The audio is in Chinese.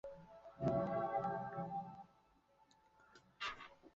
忠宣王二年元武宗降制追封高丽国王王璋曾祖母柳氏为高丽王妃。